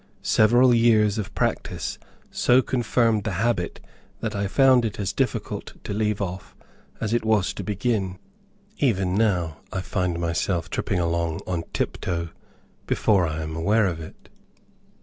Several years of practice so confirmed the habit that I found it as difficult to leave off as it was to begin. Even now I often find myself tripping along on tip toe before I am aware of it.